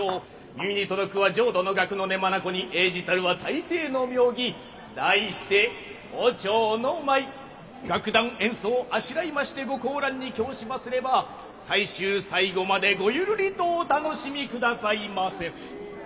耳に届くは浄土の楽の音眼に映じたるは泰西の妙技題して「胡蝶の舞」。楽団演奏をあしらいましてご高覧に供しますれば最終最後までごゆるりとお楽しみくださいませ。